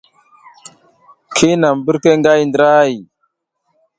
Ki hinam mbirke ngi hay ndra hay.